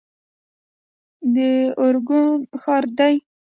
د ارګون ښارګوټی دی